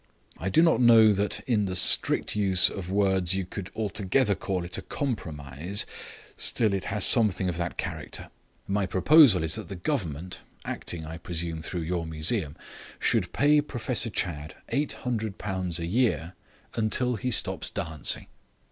I do not know that in the strict use of words you could altogether call it a compromise, still it has something of that character. My proposal is that the Government (acting, as I presume, through your Museum) should pay Professor Chadd £800 a year until he stops dancing."